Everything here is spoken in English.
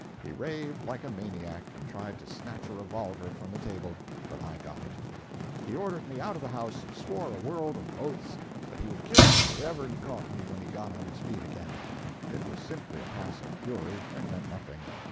He raved like a maniac, and tried to snatch a revolver from the table—but I got it. He ordered me out of the house, and swore a world of oaths that he would kill me wherever he caught me when he got on his feet again. It was simply a passing fury, and meant nothing.